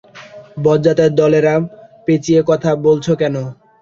বজ্জাতের দলেরা পেচিয়ে কথা বলছো কেন?